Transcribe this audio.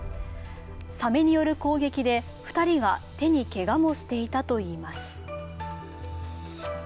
サメによる攻撃で２人が手にけがもしていたといいます。